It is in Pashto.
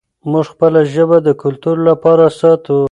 موږ خپله ژبه د کلتور لپاره ساتو.